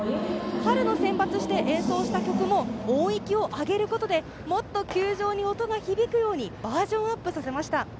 春のセンバツで演奏した曲も音域を上げることでもっと球場に音が響くようにバージョンアップさせました。